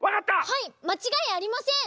はいまちがいありません！